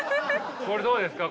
これどうですか。